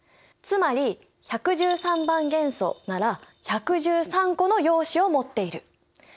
つまり１１３番元素なら１１３個の陽子を持っている。